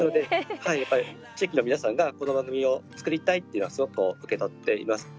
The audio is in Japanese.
地域の皆さんがこの番組を作りたいっていうのはすごく受け取っています。